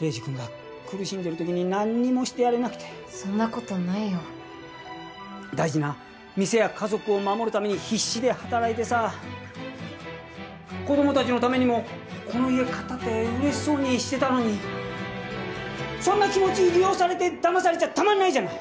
礼二くんが苦しんでる時に何にもしてやれなくてそんなことないよ大事な店や家族を守るために必死で働いてさ子供達のためにもこの家買ったって嬉しそうにしてたのにそんな気持ち利用されて騙されちゃたまんないじゃない！